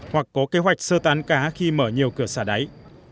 hoặc có kế hoạch sơ tán cá khi mở nhiều cửa xả đáy